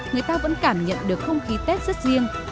người ta vẫn cảm nhận được không khí tết rất riêng